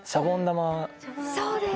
そうです！